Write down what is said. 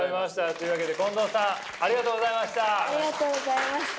というわけで近藤さんありがとうございました。